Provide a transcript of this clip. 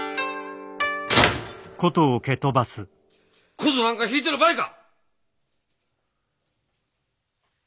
琴なんか弾いてる場合か！